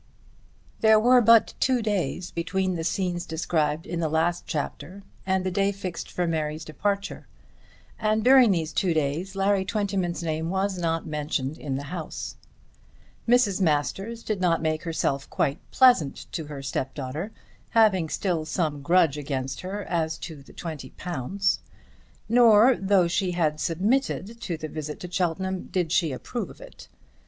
There were but two days between the scenes described in the last chapter and the day fixed for Mary's departure, and during these two days Larry Twentyman's name was not mentioned in the house. Mrs. Masters did not make herself quite pleasant to her stepdaughter, having still some grudge against her as to the £20. Nor, though she had submitted to the visit to Cheltenham, did she approve of it.